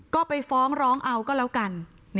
ก็ไปฟ้องร้องเอาก็แล้วกัน